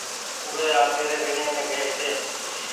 او وي آپيري ريڻي مينٚ گئي هيتي